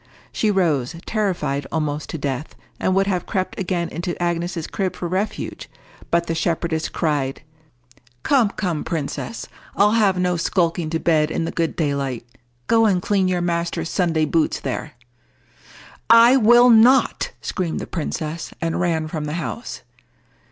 She rose, terrified almost to death, and would have crept again into Agnes's crib for refuge; but the shepherdess cried— "Come, come, princess! I'll have no skulking to bed in the good daylight. Go and clean your master's Sunday boots there." "I will not!" screamed the princess, and ran from the house.